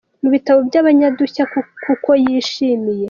mu bitabo by’abanyadushya kuko yishimiye